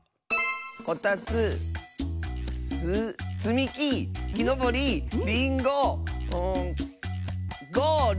「こたつつつみききのぼりリンゴ」「ゴール」！